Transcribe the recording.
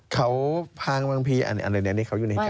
เขาพางบางพีอันนี้เขาอยู่ในการ